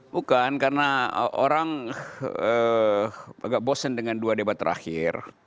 bukan karena orang agak bosen dengan dua debat terakhir